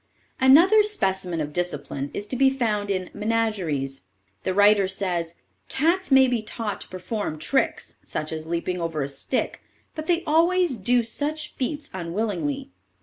_ Another specimen of discipline is to be found in "Menageries." The writer says: "Cats may be taught to perform tricks, such as leaping over a stick, but they always do such feats unwillingly.